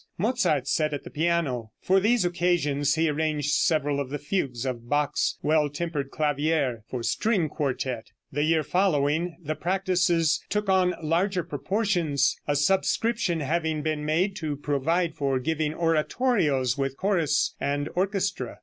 Mozart sat at the piano. For these occasions he arranged several of the fugues of Bach's "Well Tempered Clavier," for string quartette. The year following the practices took on larger proportions, a subscription having been made to provide for giving oratorios with chorus and orchestra.